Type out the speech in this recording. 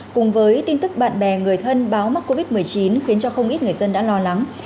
cùng với tin tức bạn bè người thân báo mắc covid một mươi chín khiến cho không ít người dân đã lo lắng